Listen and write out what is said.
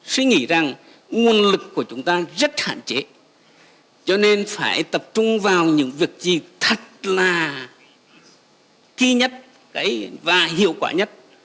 suy nghĩ rằng nguồn lực của chúng ta rất hạn chế cho nên phải tập trung vào những việc gì thật là kỳ nhất và hiệu quả nhất